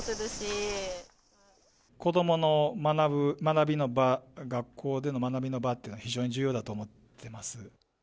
子どもの学びの場、学校での学びの場というのは、非常に重要だと思ってます。